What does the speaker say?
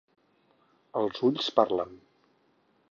Els ulls parlen.